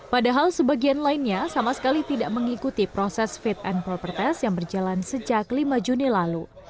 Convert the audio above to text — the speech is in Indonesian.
padahal sebagian lainnya sama sekali tidak mengikuti proses fit and proper test yang berjalan sejak lima juni lalu